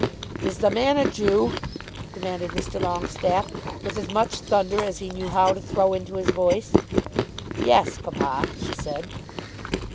"Is the man a Jew?" demanded Mr. Longestaffe, with as much thunder as he knew how to throw into his voice. "Yes, papa," she said.